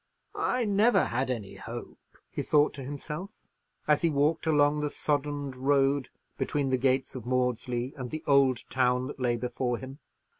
"I never had any hope," he thought to himself, as he walked along the soddened road between the gates of Maudesley and the old town that lay before him.